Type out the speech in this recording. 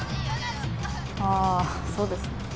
ああそうですね。